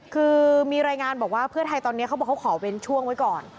คือมีรายงานบอกว่าเพื่อไทยตอนนี้เขาบอกเขาขอเว้นช่วงไว้ก่อน